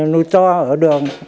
nụt to ở đường